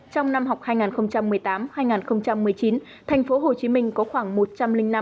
trong năm học hai nghìn một mươi tám hai nghìn một mươi chín tp hcm có khoảng một trăm linh năm học sinh lớp chín